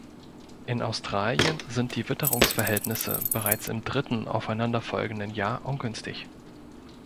In Australien sind die Witterungsverhältnisse bereits im dritten aufeinanderfolgenden Jahr ungünstig.